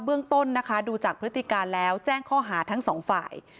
เบื้องต้นนะคะดูจากพฤติการแล้วแจ้งข้อหาทั้งสองฝ่าย